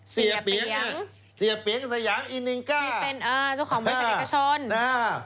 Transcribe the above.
เสียเปียงเสียเปียงสยางอินิงก้า